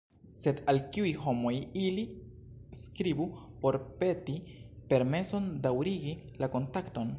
Sed al kiuj homoj ili skribu por peti permeson daŭrigi la kontakton?